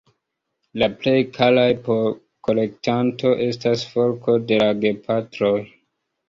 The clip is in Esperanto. La plej karaj por la kolektanto estas forko de la gepatroj.